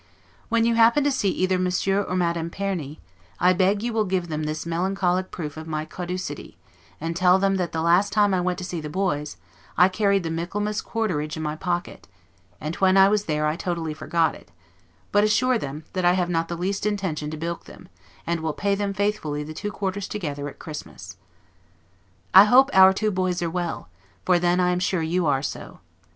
When you happen to see either Monsieur or Madame Perny, I beg you will give them this melancholic proof of my caducity, and tell them that the last time I went to see the boys, I carried the Michaelmas quarterage in my pocket; and when I was there I totally forgot it; but assure them, that I have not the least intention to bilk them, and will pay them faithfully the two quarters together, at Christmas. I hope our two boys are well, for then I am sure you are so.